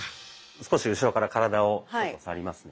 少し後ろから体を触りますね。